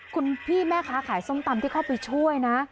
คุณพี่แม่ค้าขายส้มตำที่เข้าไปช่วยนะ